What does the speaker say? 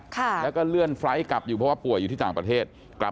ค่ะแล้วก็เลื่อนไฟล์ทกลับอยู่เพราะว่าป่วยอยู่ที่ต่างประเทศกลับ